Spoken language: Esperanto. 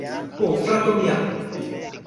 Ho, frato mia!